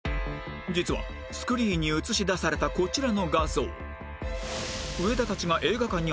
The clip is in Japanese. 実はスクリーンに映し出されたこちらの画像